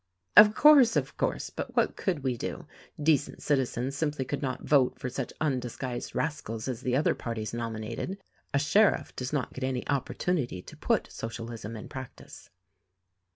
"Of course, of course! But what could we do. Decent citizens simply could not vote for such undisguised rascals as the other parties nominated. A sheriff does not get any opportunity to put Socialism in practice."